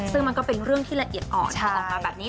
ซึ่งมันก็เป็นเรื่องที่ละเอียดอ่อนที่ออกมาแบบนี้